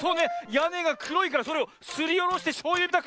やねがくろいからそれをすりおろしてしょうゆみたく。